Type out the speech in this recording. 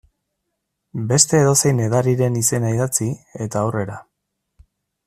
Beste edozein edariren izena idatzi, eta aurrera.